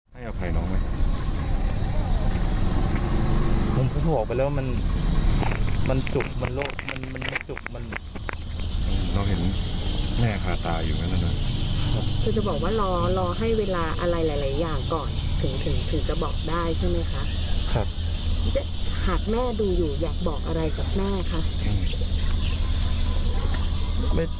หากแม่ดูอยู่อยากบอกอะไรกับแม่คะ